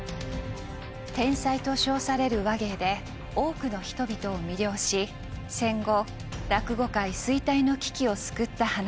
「天才」と称される話芸で多くの人々を魅了し戦後落語界衰退の危機を救った噺家です。